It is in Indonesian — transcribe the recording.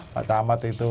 pak amat itu